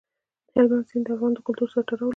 هلمند سیند د افغان کلتور سره تړاو لري.